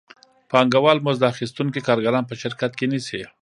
پانګوال مزد اخیستونکي کارګران په شرکت کې نیسي